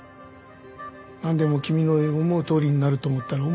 なんでも君の思うとおりになると思ったら大間違いだよ。